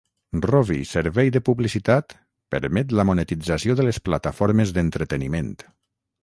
Rovi servei de publicitat permet la monetització de les plataformes d'entreteniment.